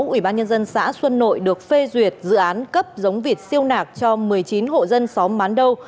ủy ban nhân dân xã xuân nội được phê duyệt dự án cấp giống vịt siêu nạc cho một mươi chín hộ dân xóm mán đâu